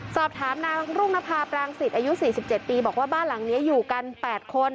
สอบถามนางรุ่งนภาพรางสิตอายุสี่สิบเจ็ดปีบอกว่าบ้านหลังนี้อยู่กันแปดคน